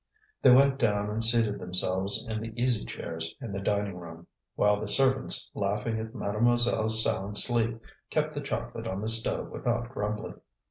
They went down and seated themselves in the easy chairs in the dining room; while the servants, laughing at mademoiselle's sound sleep, kept the chocolate on the stove without grumbling.